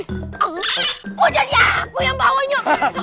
kok jadi aku yang bawa sinyo